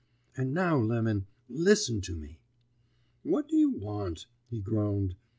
And now, Lemon, listen to me.' "'What do you want?' he groaned.